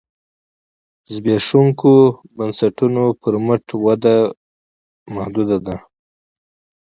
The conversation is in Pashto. زبېښونکو بنسټونو پر مټ وده محدوده ده.